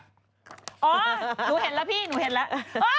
หนูเห็นแล้วพี่หนูเห็นแล้ว